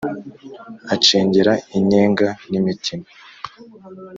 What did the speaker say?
Acengera inyenga n’imitima,